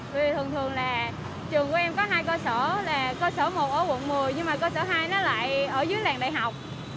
vì thường thường là trường của em có hai cơ sở là cơ sở một ở quận một mươi nhưng mà cơ sở hai nó lại ở dưới làng đại học